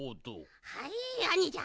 はいあにじゃ。